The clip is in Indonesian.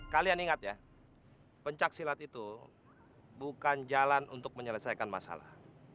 kalian ingat ya pencaksilat itu bukan jalan untuk menyelesaikan masalah